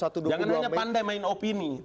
jangan hanya pandai main opini